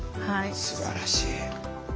すばらしい。